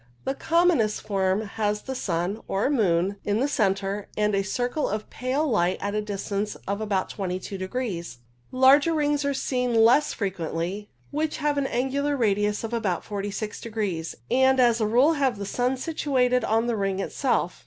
The commonest form has the sun (or moon) in the centre, and a circle of pale light at a distance of about 22 degrees. Larger rings are seen less frequently, which have an angular radius of about 46 degrees, and as a rule have the sun situated on the ring itself.